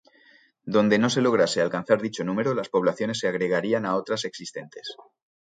Donde no se lograse alcanzar dicho número las poblaciones se agregarían a otras existentes.